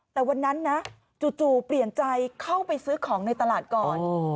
แต่วันนั้นนะจู่เปลี่ยนใจเข้าไปซื้อของในตลาดก่อน